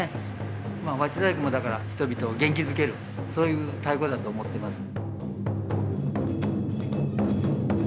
まあ和知太鼓もだから人々を元気づけるそういう太鼓だと思ってます。